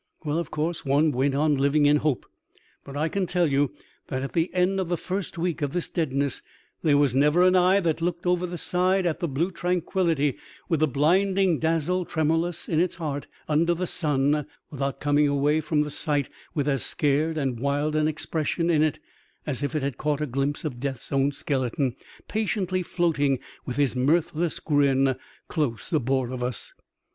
Well, of course, one went on living in hope ; but I can tell you that at the end of the first week of this deadness there was never an eye that looked over the side at the blue tranquillity, with the blinding dazzle tremorless in its heart under the sun, without coming away from the sight with as scared and wild an expression in it as if it had caught a glimpse of Death's own skeleton patiently floating with his mirth less grin close aboard of us.